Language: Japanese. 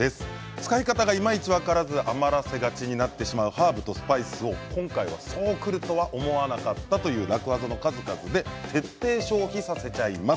使い方がいまいち分からず余らせがちになってしまうハーブ＆スパイスを今回はそうくると思わなかったという楽ワザの数々で徹底消費させちゃいます。